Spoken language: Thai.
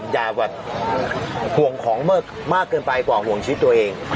อย่าแบบห่วงของมากเกินไปกว่าห่วงชีวิตตัวเอง